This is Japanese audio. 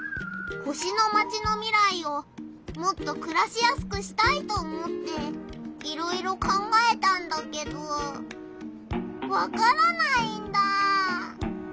星のマチの未来をもっとくらしやすくしたいと思っていろいろ考えたんだけどわからないんだ！